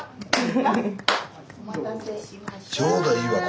お待たせしました。